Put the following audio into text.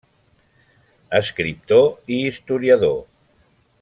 Escriptor i historiador.